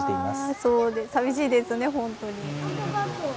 ああ、そう、寂しいですね、本当に。